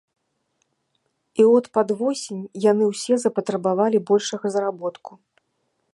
І от пад восень яны ўсе запатрабавалі большага заработку.